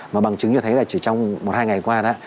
mà bằng chứng như thế là chỉ trong một hai ngày qua